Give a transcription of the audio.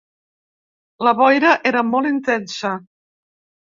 La boira era molt intensa.